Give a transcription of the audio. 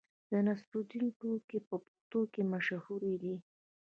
د نصرالدین ټوکې په پښتنو کې مشهورې دي.